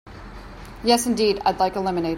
Yes indeed, I'd like a lemonade.